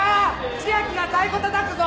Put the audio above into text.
千秋が太鼓たたくぞ！